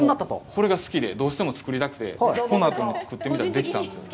これが好きで、どうしても作りたくて、このあとも作ってみたらできたんです。